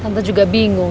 tante juga bingung